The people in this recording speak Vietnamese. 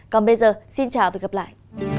còn bây giờ xin chào và gặp lại